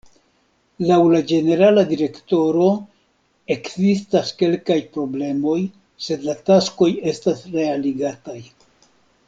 Laŭ la ĝenerala direktoro ekzistas kelkaj problemoj, sed la taskoj estas realigataj.